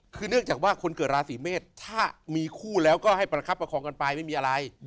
คือเนื่องจากว่าคนเกิดราศีเมษถ้ามีคู่แล้วก็ให้ประคับประคองกันไปไม่มีอะไร